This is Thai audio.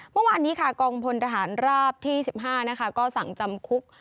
เมื่อวานนี้ค่ะกองพลทหารราบที่๑๕ก็สั่งจำคุก